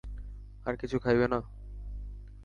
আর কিছু খাইবে না?